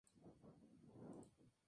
La película fue rodada en Chipre.